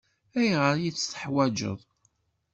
Ayɣer i t-teḥwaǧeḍ?